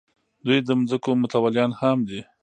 دوی د ځمکو متولیان هم دي.